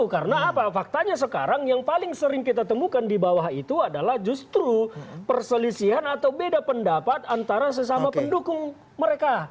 karena faktanya sekarang yang paling sering kita temukan di bawah itu adalah justru perselisihan atau beda pendapat antara sesama pendukung mereka